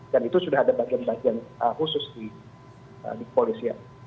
dan itu sudah ada bagian bagian khusus di polisian